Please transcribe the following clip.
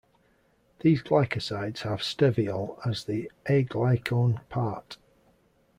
These glycosides have steviol as the aglycone part.